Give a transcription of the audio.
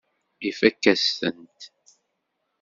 Ifakk-asent-tent.